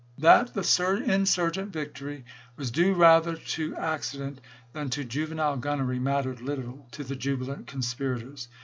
That the insurgent victory was due rather to accident than to juvenile gunnery mattered little to the jubilant conspirators.